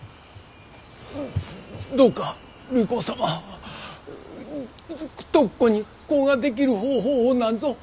どうか隆光様徳子に子ができる方法をなんぞ！